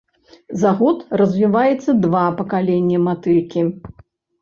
За год развіваецца два пакалення матылькі.